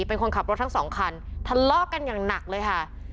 เป็นคนขับรถทั้งสองคันทะเลาะกันอย่างหนักเลยค่ะ